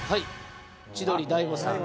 千鳥大悟さん。